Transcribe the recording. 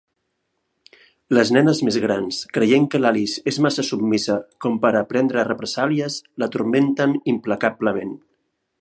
Les nenes més grans, creient que l'Alice és massa submisa com per a prendre represàlies, la turmenten implacablement.